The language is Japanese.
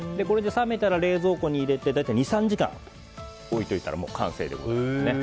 これで冷めたら冷蔵庫に入れて大体２３時間置いておけば完成でございます。